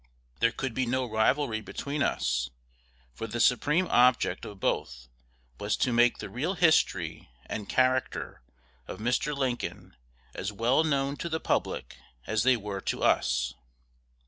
There could be no rivalry between us; for the supreme object of both was to make the real history and character of Mr. Lincoln as well known to the public as they were to us.